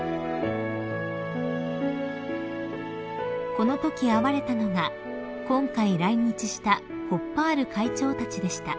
［このとき会われたのが今回来日したホッパール会長たちでした］